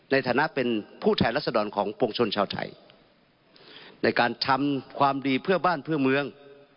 ในฐานะเป็นผู้แทนรัศดรของปวงชนชาวไทยในการทำความดีเพื่อบ้านเพื่อเมือง